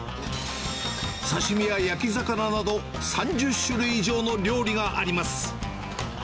刺身や焼き魚など、３０種類以上の料理があります。